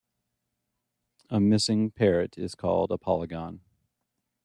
A missing parrot is called a polygon.